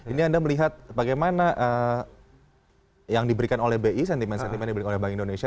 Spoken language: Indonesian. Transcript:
ini anda melihat bagaimana yang diberikan oleh bi sentimen sentimen yang diberikan oleh bank indonesia